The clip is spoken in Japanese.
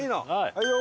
はいよ！